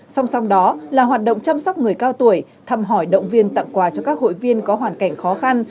song song đó là hoạt động chăm sóc người cao tuổi thăm hỏi động viên tặng quà cho các hội viên có hoàn cảnh khó khăn